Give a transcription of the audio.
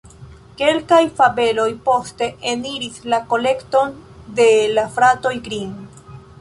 Kelkaj fabeloj poste eniris la kolekton de la Fratoj Grimm.